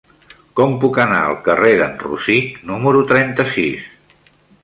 Com puc anar al carrer d'en Rosic número trenta-sis?